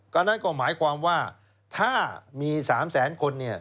ก็นั่นก็หมายความว่าถ้ามี๓แสนคนเนี่ย